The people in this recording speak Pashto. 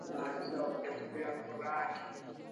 ولي کوښښ کوونکی د مستحق سړي په پرتله لاره اسانه کوي؟